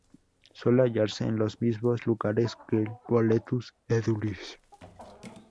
Suele hallarse en los mismos lugares que el "Boletus edulis".